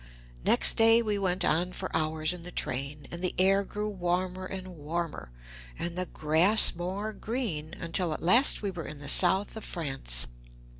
Next day we went on for hours in the train, and the air grew warmer and warmer, and the grass more green, until at last we were in the south of France.